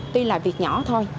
tuy là việc nhỏ thôi